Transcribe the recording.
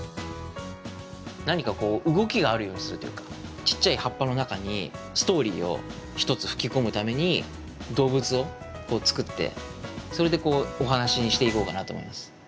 何かこう動きがあるようにするというかちっちゃい葉っぱの中にストーリーを一つふき込むために動物を作ってそれでお話にしていこうかなと思います。